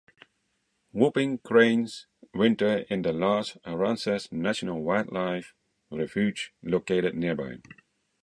Whooping cranes winter in the large Aransas National Wildlife Refuge located nearby.